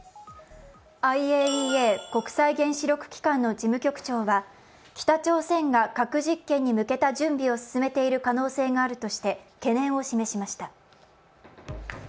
ＩＡＥＡ＝国際原子力機関の事務局長は北朝鮮が核実験に向けた準備を進めている可能性があるとして懸念を示しました。